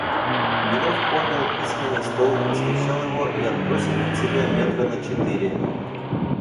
Блинов поднял письменный стол, раскачал его и отбросил от себя метра на четыре.